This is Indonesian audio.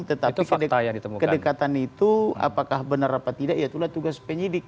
tetapi kedekatan itu apakah benar apa tidak ya itulah tugas penyidik